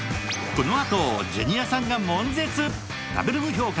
このあとジュニアさんが悶絶食べログ評価